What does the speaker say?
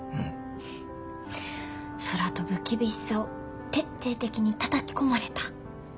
空飛ぶ厳しさを徹底的にたたき込まれた。